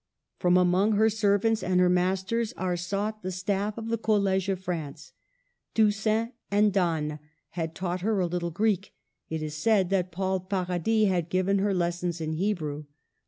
From among her servants and her masters are sought the staff of the College of France. Toussaint and Danes had taught her a little Greek; it is said that Paul Paradis had given her lessons in Hebrew.